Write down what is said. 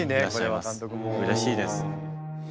うれしいです。